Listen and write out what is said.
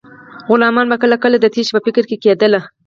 غلامان به کله کله د تیښتې په فکر کې کیدل.